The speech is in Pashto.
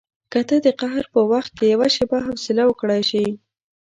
که ته د قهر په وخت کې یوه شېبه حوصله وکړای شې.